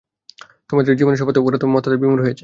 তোমার জীবনের শপথ, ওরা তো মত্ততায় বিমূঢ় হয়েছে।